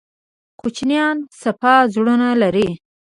کوچنیان صفا زړونه لري